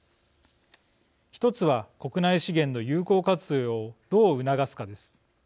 １つは、国内資源の有効活用をどう促すか、です。